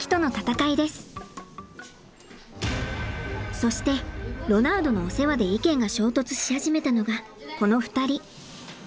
そしてロナウドのお世話で意見が衝突し始めたのがこの２人。